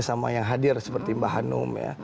sama yang hadir seperti mbak hanum ya